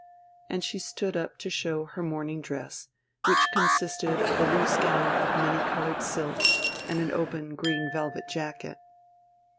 And she stood up to show her morning dress, which consisted of a loose gown of many coloured silk and an open green velvet jacket.